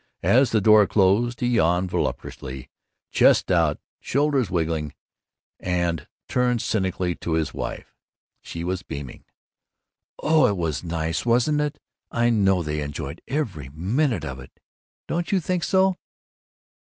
As the door closed he yawned voluptuously, chest out, shoulders wriggling, and turned cynically to his wife. She was beaming. "Oh, it was nice, wasn't it! I know they enjoyed every minute of it. Don't you think so?"